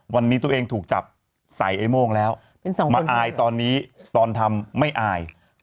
วันนี้ตัวเองถูกจับใส่ไอ้โม่งแล้วมาอายตอนนี้ตอนทำไม่อาย